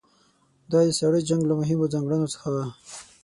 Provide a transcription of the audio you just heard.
دا د ساړه جنګ له مهمو ځانګړنو څخه وه.